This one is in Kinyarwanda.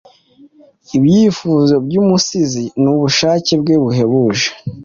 ibyifuzo byumusizi nubushake bwe buhebuje! ..